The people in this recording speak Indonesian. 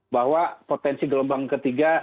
bahwa potensi gelombang ketiga